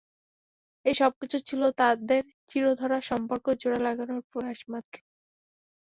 এই সবকিছু ছিল তাঁদের চিড় ধরা সম্পর্ক জোড়া লাগানোর প্রয়াস মাত্র।